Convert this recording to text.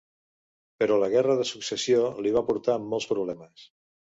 Però la Guerra de Successió li va portar molts problemes.